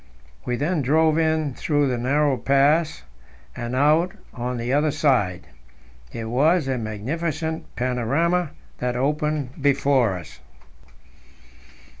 We then drove in through the narrow pass and out on the other side. It was a magnificent panorama that opened before us.